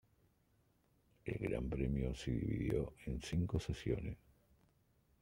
El Gran Premio se dividió en cinco sesiones.